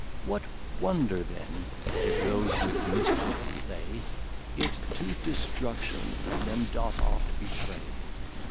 What wonder then, if those with Mischief play, It to destruction them doth oft betray?